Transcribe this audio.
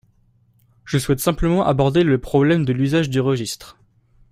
Je souhaite simplement aborder le problème de l’usage du registre.